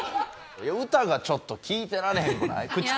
歌がちょっと聞いてられへんくない？